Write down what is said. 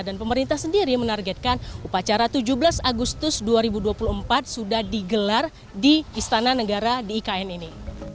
dan pemerintah sendiri menargetkan upacara tujuh belas agustus dua ribu dua puluh empat sudah digelar di istana negara di ikn ini